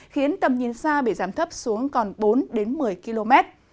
khiến tầm nhìn xa bị giảm thấp xuống còn bốn đến một mươi km